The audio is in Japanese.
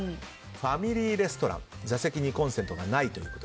ファミリーレストラン座席にコンセントがないという。